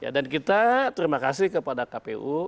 dan kita terima kasih kepada kpu